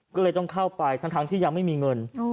ก็เลยต้องเข้าไปทั้งที่ยังไม่มีเงิน